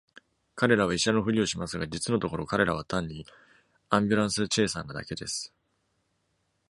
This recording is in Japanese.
彼らは医者のふりをしますが、実のところ彼らは単にアンビュランス・チェイサーなだけです。